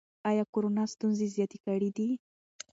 ایا کورونا ستونزې زیاتې کړي دي؟